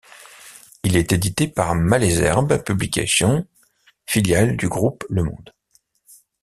Il est édité par Malesherbes Publications, filiale du Groupe Le Monde.